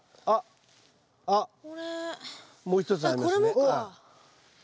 あっあっ。